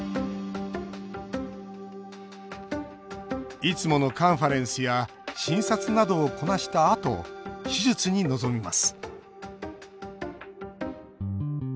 いつものカンファレンスや診察などをこなしたあと手術に臨みます